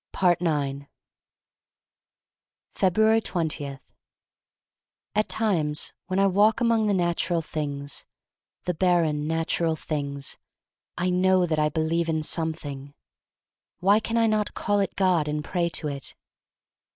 jfebruars 20* AT TIMES when I walk among the • natural things — the barren, nat ural things — I know that I believe in Something. Why can I not call it God and pray to it?